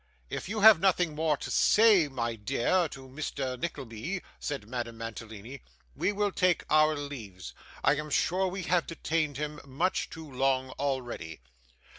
'If you have nothing more to say, my dear, to Mr. Nickleby,' said Madame Mantalini, 'we will take our leaves. I am sure we have detained him much too long already.